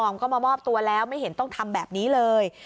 ก็มามอบตัวแล้วไม่เห็นต้องทำแบบนี้เลย